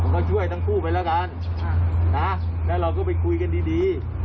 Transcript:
ก็ช่วยทั้งคู่ไปแล้วกันแล้วเราก็ไปคุยกันดี